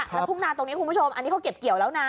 แล้วทุ่งนาตรงนี้คุณผู้ชมอันนี้เขาเก็บเกี่ยวแล้วนะ